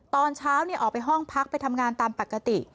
ตอนเช้าออกไปห้องพักไปทำงานตามปกติ